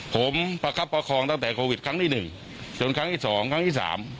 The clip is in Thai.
ผมประคับประคองตั้งแต่โควิดครั้งที่๑จนครั้งที่สองครั้งที่๓